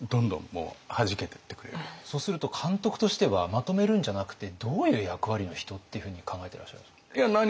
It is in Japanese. そうすると監督としてはまとめるんじゃなくてどういう役割の人っていうふうに考えてらっしゃるんですか？